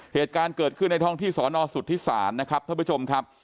เหตุการณ์เกิดขึ้นในท้องที่สอนอสุทธิศาลนะครับท่านผู้ชมครับ